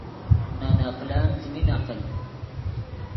نے نقلن څیمین عقل